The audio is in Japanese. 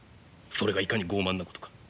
それがいかに傲慢なことか。